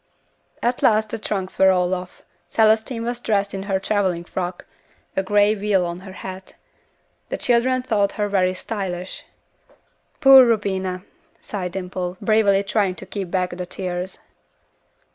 At last the trunks were all off, Celestine was dressed in her traveling frock, a grey veil on her hat; the children thought her very stylish. "Poor Rubina!" sighed Dimple, bravely trying to keep back the tears.